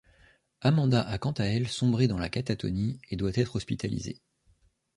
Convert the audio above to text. Amanda a quant à elle sombré dans la catatonie et doit être hospitalisée.